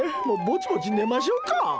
もうぼちぼち寝ましょうか！